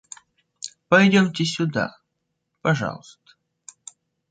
Пойдемте сюда, пожалуйста.